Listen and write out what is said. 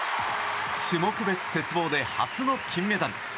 種目別鉄棒で初の金メダル。